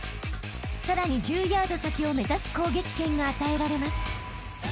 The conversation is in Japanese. ［さらに１０ヤード先を目指す攻撃権が与えられます］